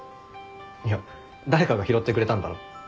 いや誰かが拾ってくれたんだろ？